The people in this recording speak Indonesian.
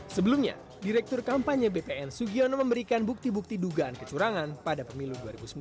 sebelumnya direktur kampanye bpn sugiono memberikan bukti bukti dugaan kecurangan pada pemilu dua ribu sembilan belas